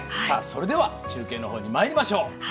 それでは、中継のほうにまいりましょう。